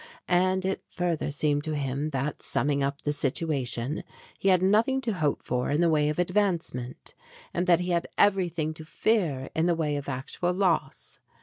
And it further seemed to him that, summing up the situation, he had nothing to hope for in the way of advancement, and that he had everything to fear in the way of actual loss.